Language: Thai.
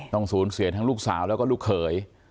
ต้องสูญเสียทั้งลูกสาวแล้วก็ลูกเขย